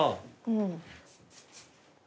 うん。